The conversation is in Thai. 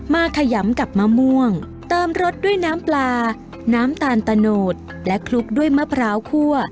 ขยำกับมะม่วงเติมรสด้วยน้ำปลาน้ำตาลตะโนดและคลุกด้วยมะพร้าวคั่ว